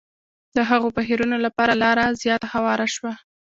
د هغو بهیرونو لپاره لاره زیاته هواره شوه.